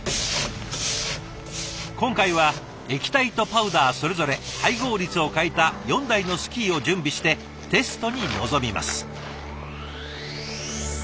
今回は液体とパウダーそれぞれ配合率を変えた４台のスキーを準備してテストに臨みます。